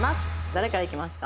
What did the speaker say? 誰からいきますか？